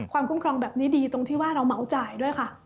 คุ้มครองแบบนี้ดีตรงที่ว่าเราเหมาจ่ายด้วยค่ะ